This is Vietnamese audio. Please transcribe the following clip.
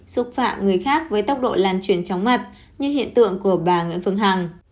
xúc phạm người khác với tốc độ lan truyền chóng mặt như hiện tượng của bà nguyễn phương hằng